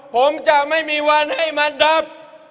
ผมจะไม่มีวันให้มาดับ